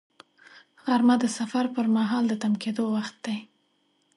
غرمه د سفر پر مهال د تم کېدو وخت دی